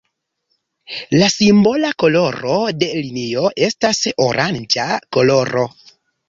La simbola koloro de linio estas oranĝa koloro.